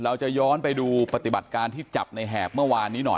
เราจะย้อนไปดูปฏิบัติการที่จับในแหบเมื่อวานนี้หน่อย